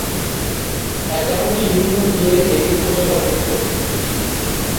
এগারোটি ইউনিয়ন নিয়ে এই উপজেলা গঠিত।